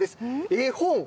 絵本。